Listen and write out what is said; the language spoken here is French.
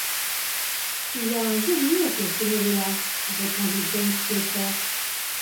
Il a un joli oncle, ce neveu-là, répondit James Playfair.